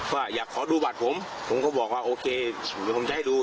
ว่าอยากขอดูบัตรผมผมก็บอกว่าโอเคเดี๋ยวผมจะให้ดู